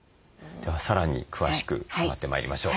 さらに詳しく伺ってまいりましょう。